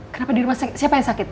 kenapa di rumah sakit siapa yang sakit